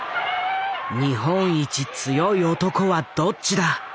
日本一強い男はどっちだ